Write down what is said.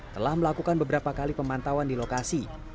telah melakukan beberapa kali pemantauan di lokasi